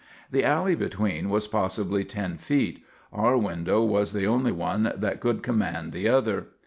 The alley between was possibly ten feet. Our window was the only one that could command the other.